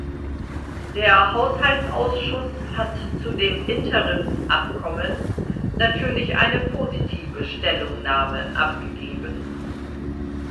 Der Haushaltsausschuss hat zu dem Interimsabkommen natürlich eine positive Stellungnahme abgegeben.